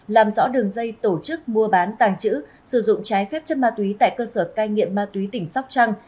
làm rõ đường dây tổ chức mua bán tàng trữ sử dụng trái phép chất ma túy tại cơ sở cai nghiện ma túy tỉnh sóc trăng